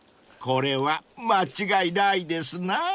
［これは間違いないですな］